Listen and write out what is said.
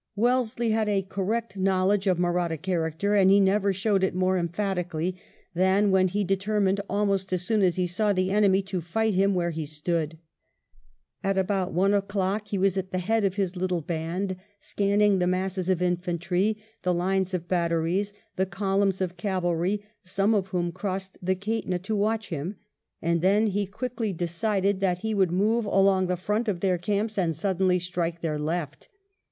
Wellesley had a correct knowledge of Mahratta character, and he never showed it more emphatically than when he determined, almost as soon as he saw the enemy, to fight him where he stood. About one o'clock he was at the head of his little band scanning the masses of infantry, the lines of batteries, the columns of cavalry, some of whom crossed the Kaitna to watch him ; and then he quickly decided Ill IN SIGHT OF THE MAHRATTAS 75 that he would move along the front of their camps and suddenly strike their left.